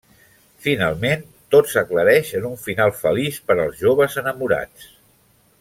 Finalment, tot s'aclareix en un final feliç per als joves enamorats.